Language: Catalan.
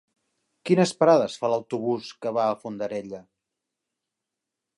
Quines parades fa l'autobús que va a Fondarella?